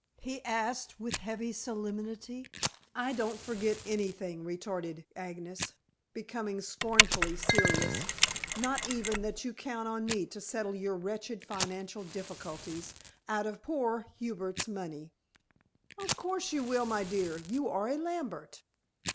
he asked with heavy solemnity. "I don't forget anything," retorted Agnes, becoming scornfully serious. "Not even that you count on me to settle your wretched financial difficulties out of poor Hubert's money." "Of course you will, my dear. You are a Lambert."